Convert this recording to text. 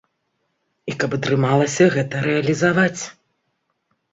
І каб атрымалася гэта рэалізаваць.